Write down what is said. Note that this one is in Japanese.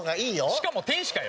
しかも天使かよ！